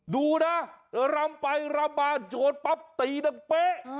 ดูนะรำไปรำมาโยนปั๊บตีดังเป๊ะ